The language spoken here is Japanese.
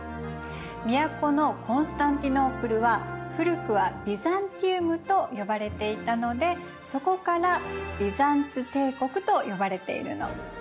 都のコンスタンティノープルは古くはビザンティウムと呼ばれていたのでそこからビザンツ帝国と呼ばれているの。